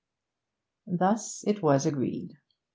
Thus it was agreed.